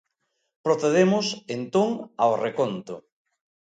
Procedemos, entón, ao reconto.